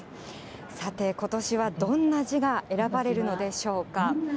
さて、ことしはどんな字が選ばれるのでしょうか。